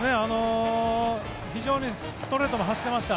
非常にストレートも走ってました。